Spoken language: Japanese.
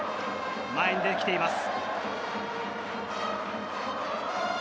前に出てきています。